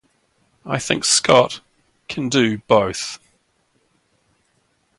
I think Scott (can do) both.